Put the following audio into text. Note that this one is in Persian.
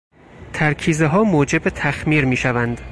ترکیزهها موجب تخمیر میشوند.